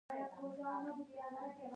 لعل د افغانستان د کلتوري میراث برخه ده.